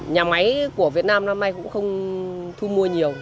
nhà máy của việt nam năm nay cũng không thu mua nhiều